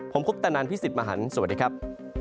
ผมคุปตะนันพี่สิทธิ์มหันฯสวัสดีครับ